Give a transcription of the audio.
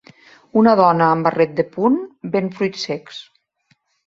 Una dona amb barret de punt ven fruits secs.